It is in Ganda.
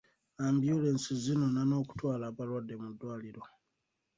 Ambyulensi zinona n'okutwala abalwadde mu ddwaliro.